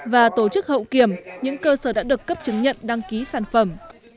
và tổ chức hậu kiểm những cơ sở đã được cấp chứng nhận đăng ký sản phẩm